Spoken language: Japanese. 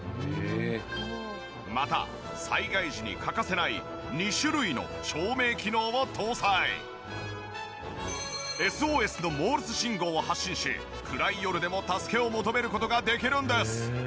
また災害時に欠かせない２種類の照明機能を搭載！を発信し暗い夜でも助けを求める事ができるんです。